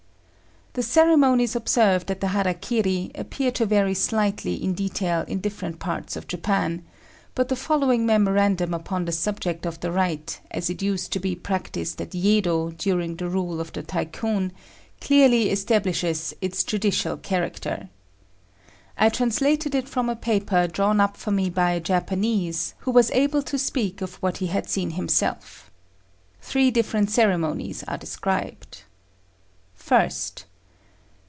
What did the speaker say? The ceremonies observed at the hara kiri appear to vary slightly in detail in different parts of Japan; but the following memorandum upon the subject of the rite, as it used to be practised at Yedo during the rule of the Tycoon, clearly establishes its judicial character. I translated it from a paper drawn up for me by a Japanese who was able to speak of what he had seen himself. Three different ceremonies are described: 1st.